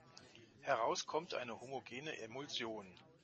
Heraus kommt eine homogene Emulsion.